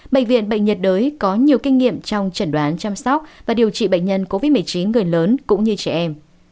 bệnh viện bệnh nhiệt đới có nhiều kinh nghiệm trong chẩn đoán chăm sóc và điều trị bệnh nhân covid một mươi chín người lớn cũng như trẻ em